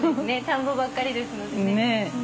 田んぼばっかりですのでね。